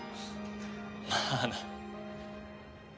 まあな。